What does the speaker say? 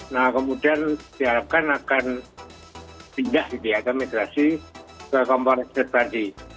nah kemudian diharapkan akan pindah yudhiyah atau migrasi ke kompor listrik tadi